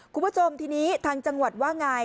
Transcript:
คุณผู้ชมทีนี้ทางจังหวัดว่าไง